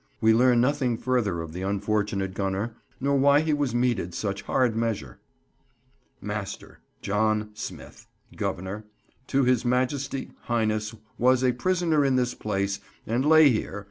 We learn nothing further of the unfortunate gunner, nor why he was meted such hard measure. M_a_fTER : I_oh_N : SM_y_TH : GVNER : TO HIS : MAIEST_y_E . HIg_h_NES : WAS : A PRISNER IN THIS PlACE : AND lA_y_ HERE